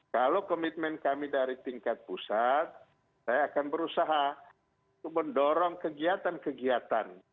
kalau komitmen kami dari tingkat pusat saya akan berusaha untuk mendorong kegiatan kegiatan